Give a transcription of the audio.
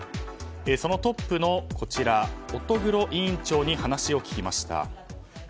そのトップのこちら、乙黒委員長に話を聞きました。